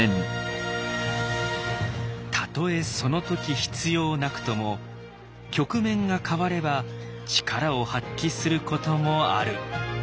たとえその時必要なくとも局面が変われば力を発揮することもある。